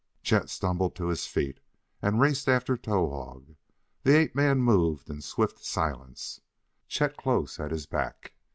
Chet stumbled to his feet and raced after Towahg. The ape man moved in swift silence, Chet close at his back.